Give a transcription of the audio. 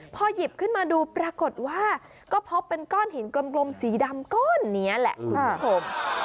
พอหยิบขึ้นมาดูปรากฏว่าก็พบเป็นก้อนหินกลมสีดำก้อนนี้แหละคุณผู้ชม